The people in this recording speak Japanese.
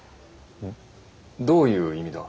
どういう意味だ。